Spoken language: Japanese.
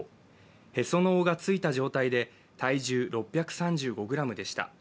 へその緒がついた状態で体重６３５ｇでした。